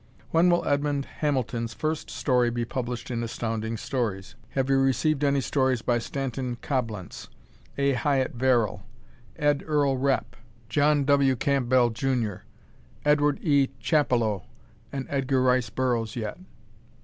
When will Edmond Hamilton's first story be published in Astounding Stories? Have you received any stories by Stanton Coblentz, A. Hyatt Verrill, Ed Earl Repp, John W. Campbell, Jr., Edward E. Chappelow and Edgar Rice Burroughs yet?